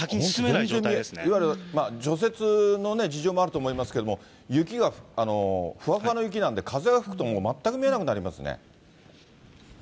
完全に、いわゆる除雪の事情もあると思いますけれども、雪がふわふわの雪なんで、風が吹くともう全く見えなくなりますね。